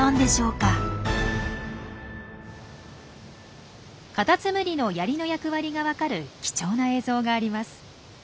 カタツムリのヤリの役割が分かる貴重な映像があります。